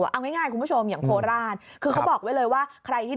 อันนี้ก็ต้องปฏิบัติตัว